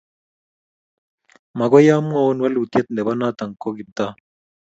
Magoi amwaun walutiet nebo notok koKiptooo